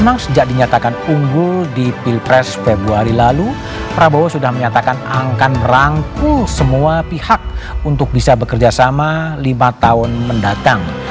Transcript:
untuk unggul di pilpres februari lalu prabowo sudah menyatakan akan merangkul semua pihak untuk bisa bekerjasama lima tahun mendatang